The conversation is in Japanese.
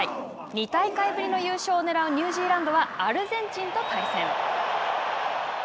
２大会ぶりの優勝をねらうニュージーランドはアルゼンチンと対戦。